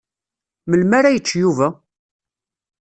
Melmi ara yečč Yuba?